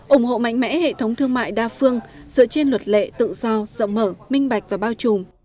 ủng hộ mạnh mẽ hệ thống thương mại đa phương dựa trên luật lệ tự do rộng mở minh bạch và bao trùm